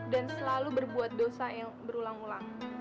dan selalu berbuat dosa yang berulang ulang